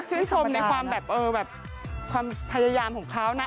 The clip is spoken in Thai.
ชมในความแบบเออแบบความพยายามของเขานะ